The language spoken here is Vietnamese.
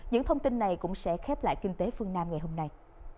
những thông tin này cũng sẽ khép lại kinh tế phương nam ngày hôm nay